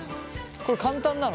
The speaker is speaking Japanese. これ簡単なの？